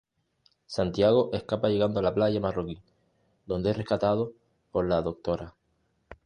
Santiago escapa llegando a la playa marroquí, donde es rescatado por la Dra.